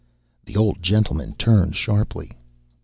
The old gentleman turned sharply.